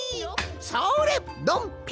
「それドンピョン」。